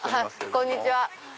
こんにちは！